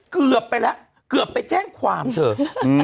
เกือบไปแล้วเกือบไปแจ้งความเถอะ